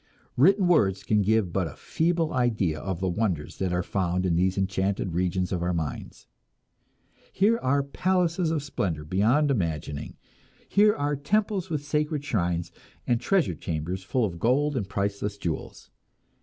Written words can give but a feeble idea of the wonders that are found in these enchanted regions of the mind. Here are palaces of splendor beyond imagining, here are temples with sacred shrines, and treasure chambers full of gold and priceless jewels.